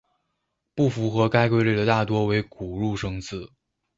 不符合该规律的大多为古入声字。